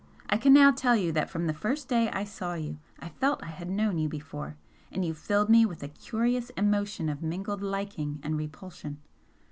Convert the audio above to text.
I can now tell you that from the first day I saw you I felt I had known you before and you filled me with a curious emotion of mingled liking and repulsion.